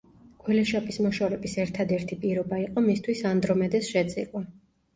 გველეშაპის მოშორების ერთადერთი პირობა იყო მისთვის ანდრომედეს შეწირვა.